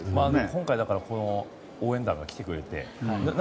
今回この応援団が来てくれてね。